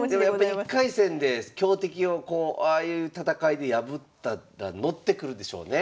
やっぱ１回戦で強敵をこうああいう戦いで破っただから乗ってくるでしょうね。